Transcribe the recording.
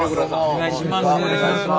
お願いします。